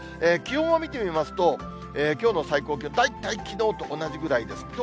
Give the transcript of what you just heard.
気温を見てみますと、きょうの最高気温、大体きのうと同じぐらいです。